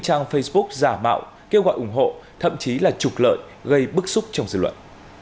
trang facebook giả mạo kêu gọi ủng hộ thậm chí là trục lợi gây bức xúc trong dư luận